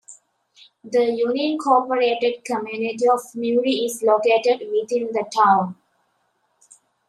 The unincorporated community of Newry is located within the town.